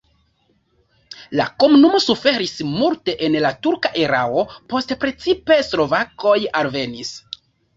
La komunumo suferis multe en la turka erao, poste precipe slovakoj alvenis.